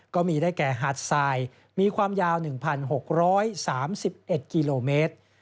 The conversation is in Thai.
ก็มีได้แก่หาดทรายมีความยาว๑๖๓๑กิโลเมตร